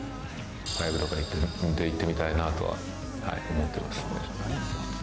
ライブとかで行ってみたいなとは思ってますね。